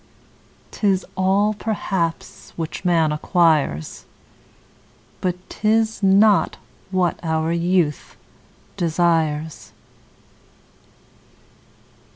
'Tis all perhaps which man acquires, But 'tis not what our youth desires.